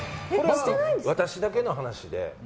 私だけの話で。